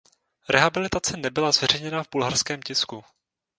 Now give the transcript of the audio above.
Rehabilitace nebyla zveřejněna v bulharském tisku.